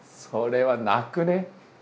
それは泣くね。